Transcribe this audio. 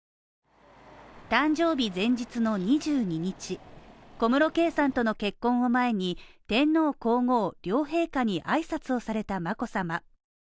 誕生日前日の２２日、小室圭さんとの結婚を前に天皇皇后両陛下に挨拶をされた眞子さま。